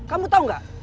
kamu tahu gak